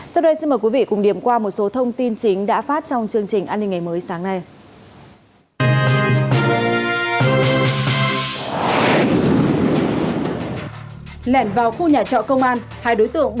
sau đây xin mời quý vị cùng điểm qua một số thông tin chính đã phát